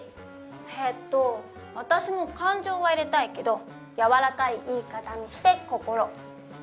えっと私も「感情」は入れたいけど軟らかい言い方にして「こころ」。